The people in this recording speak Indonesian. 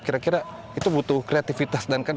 kira kira itu butuh kreativitas